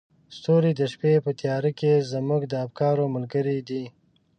ستوري د شپې په تیاره کې زموږ د افکارو ملګري دي.